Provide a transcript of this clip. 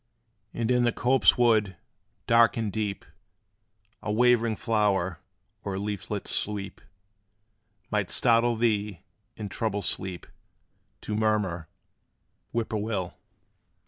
And in the copse wood, dark and deep, A waving flower, or leaflet's sweep Might startle thee, in troubled sleep To murmur, "Whip poor will!"